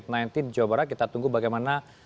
di jawa barat kita tunggu bagaimana